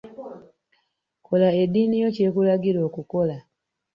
Kola eddiini yo ky'ekulagira okukola.